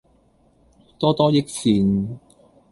多多益善